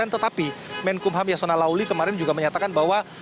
tetapi menkumham yasona lauli kemarin juga menyatakan bahwa